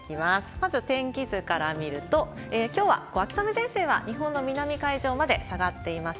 まず天気図から見ると、きょうは秋雨前線は、日本の南海上まで下がっています。